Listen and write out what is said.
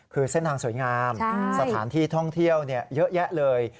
คือเส้นทางสวยงามสถานที่ท่องเที่ยวเยอะแยะเลย